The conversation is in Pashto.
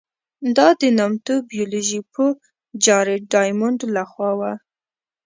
دا د نامتو بیولوژي پوه جارېډ ډایمونډ له خوا وه.